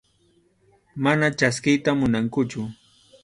Mana chaskiyta munankuchu.